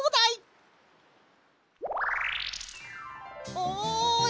おい！